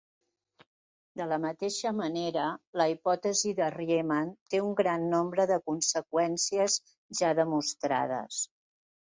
De la mateixa manera, la hipòtesi de Riemann té un gran nombre de conseqüències ja demostrades.